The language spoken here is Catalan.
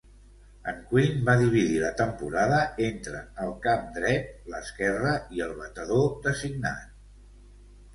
En Quinn va dividir la temporada entre el camp dret, l'esquerre i el batedor designat.